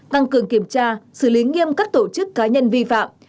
tăng cường kiểm tra xử lý nghiêm các tổ chức cá nhân vi phạm